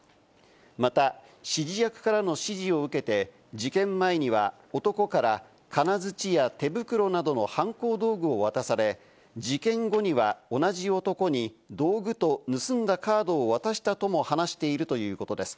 また指示役からの指示を受けて、事件前には男から金づちや手袋などの犯行道具を渡され、事件後には同じ男に道具と盗んだカードを渡したとも話しているということです。